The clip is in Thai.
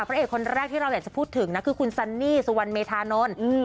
พระเอกคนแรกที่เราอยากจะพูดถึงนะคือคุณซันนี่สุวรรณเมธานนท์